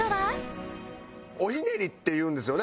おひねりっていうんですよね